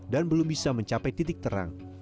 dan belum bisa mencapai titik terang